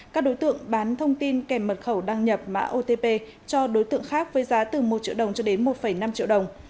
các đối tượng bán thông tin kèm mật khẩu đăng nhập mã otp cho đối tượng khác với giá từ một triệu đồng cho đến một năm triệu đồng